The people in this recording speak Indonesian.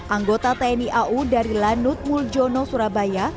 anggota tni au dari lanut muljono surabaya